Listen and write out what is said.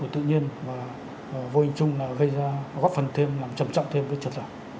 tự nhiên và vô ý chung là gây ra góp phần thêm làm trầm trọng thêm với triệt lở